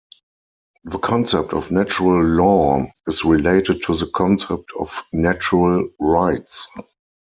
The concept of natural law is related to the concept of natural rights.